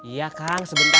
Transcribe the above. iya kang sebentar lagi